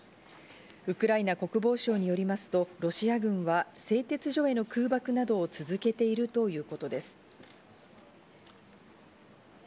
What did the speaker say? ウクライナ国防省によりますと、ロシア軍は製鉄所への空爆などを続けているということです。